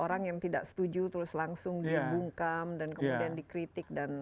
orang yang tidak setuju terus langsung dibungkam dan kemudian dikritik dan